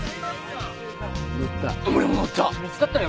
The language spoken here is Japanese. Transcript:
俺も乗った。